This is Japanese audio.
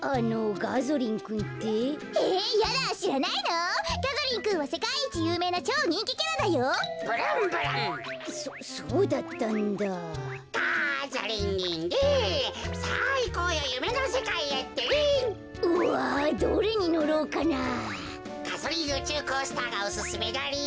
ガゾリンうちゅうコースターがおすすめだリン。